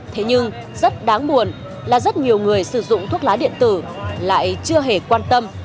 thế nhưng rất đáng buồn là rất nhiều người sử dụng thuốc lá điện tử lại chưa hề quan tâm